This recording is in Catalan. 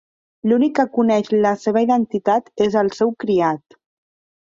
L’únic que coneix la seva identitat és el seu criat.